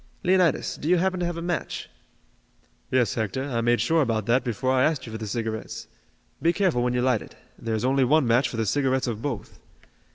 Leonidas, do you happen to have a match?" "Yes, Hector, I made sure about that before I asked you for the cigarettes. Be careful when you light it. There is only one match for the cigarettes of both."